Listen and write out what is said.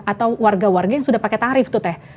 atau warga warga yang sudah pakai tarif tuh teh